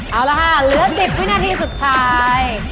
เอาละค่ะเหลือ๑๐วินาทีสุดท้าย